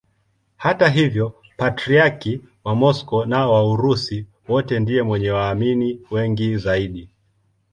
Hata hivyo Patriarki wa Moscow na wa Urusi wote ndiye mwenye waamini wengi zaidi.